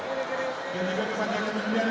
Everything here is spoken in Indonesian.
di bawah di bagian dan juga di bagian kanan